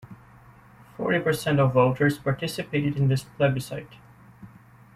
Forty percent of voters participated in the plebiscite.